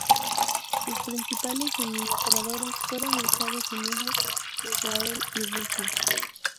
Sus principales suministradores fueron Estados Unidos, Israel y Rusia.